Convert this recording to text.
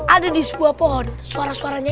ada di sebuah pohon suara suaranya